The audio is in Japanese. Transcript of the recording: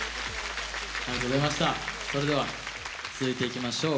それでは続いていきましょう。